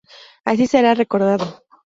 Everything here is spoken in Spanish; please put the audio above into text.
Así será recordado.